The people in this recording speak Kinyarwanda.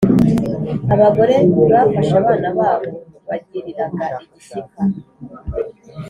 Abagore bafashe abana babo bagiriraga igishyika,